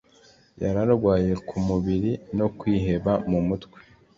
yararwaye ku mubiri no kwiheba mu mutwe